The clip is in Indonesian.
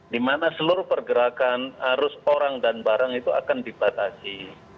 di mana seluruh pergerakan arus orang dan barang itu akan dibatasi